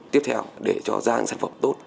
tiếp theo để cho ra những sản phẩm tốt